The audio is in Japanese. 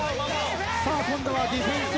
今度はディフェンス笑